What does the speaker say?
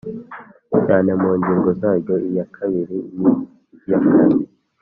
cyane mu ngingo zaryo iya kabiri n iya kane